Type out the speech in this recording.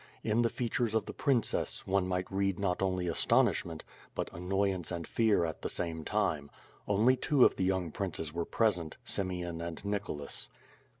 In the features of the princess, one might read not only aston ishment, but annoyance and fear at the same time. Only two of the young princes were present, Simeon and Nicholas.